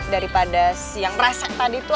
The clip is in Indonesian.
daripada si yang resek tadi tuh